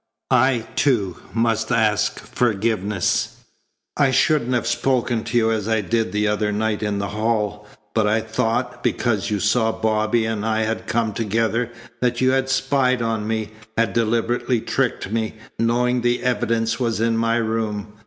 "I, too, must ask forgiveness. I shouldn't have spoken to you as I did the other night in the hall, but I thought, because you saw Bobby and I had come together, that you had spied on me, had deliberately tricked me, knowing the evidence was in my room.